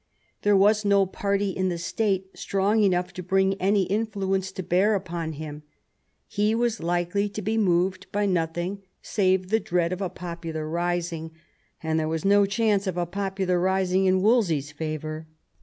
There was no party in the State strong enough to bring any influence to bear upon him : he was likely to be moved by nothing save the dread of a popular rising, and there was no chance of a popular rising in Wolsey's favour.